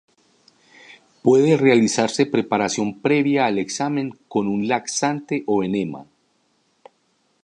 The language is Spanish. Puede realizarse preparación previa al examen con un laxante o enema.